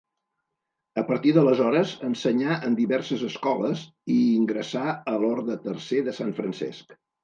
A partir d'aleshores ensenyà en diverses escoles i ingressà a l'Orde Tercer de Sant Francesc.